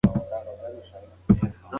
موږ ډېر ښه وخت تېر کړ.